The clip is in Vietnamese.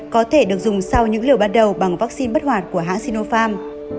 có thể được dùng sau những liều ban đầu bằng vaccine bất hoạt của hãng sinopharm